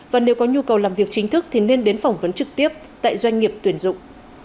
và nếu có nhu cầu làm việc chính thức thì nên đến phỏng vấn trực tiếp tại doanh nghiệp tuyển dụng